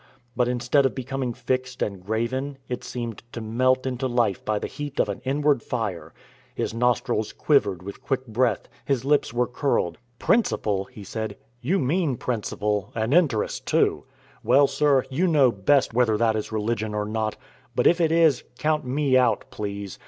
But instead of becoming fixed and graven, it seemed to melt into life by the heat of an inward fire. His nostrils quivered with quick breath, his lips were curled. "Principle!" he said. "You mean principal and interest too. Well, sir, you know best whether that is religion or not. But if it is, count me out, please.